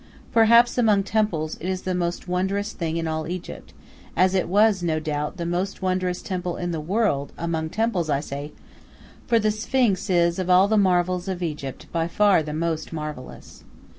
Perhaps, among temples, it is the most wondrous thing in all Egypt, as it was, no doubt, the most wondrous temple in the world; among temples I say, for the Sphinx is of all the marvels of Egypt by far the most marvellous.